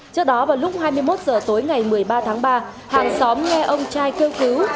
trước đó vào lúc hai mươi một h tối ngày một mươi ba tháng ba hàng xóm nghe ông trai kêu cứu